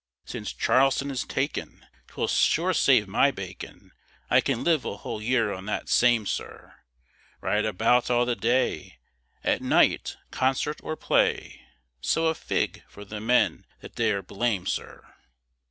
"Since Charleston is taken, 'Twill sure save my bacon, I can live a whole year on that same, sir; Ride about all the day, At night, concert or play; So a fig for the men that dare blame, sir.